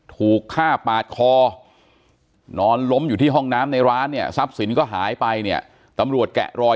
ถูกฆ่าปาดคอนอนล้มอยู่ที่ห้องน้ำในร้านเนี่ยทรัพย์สินก็หายไปเนี่ยตำรวจแกะรอย